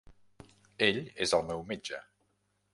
Ell és el meu metge.